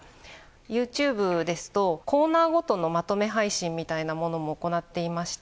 ＹｏｕＴｕｂｅですとコーナーごとのまとめ配信みたいなものも行っていまして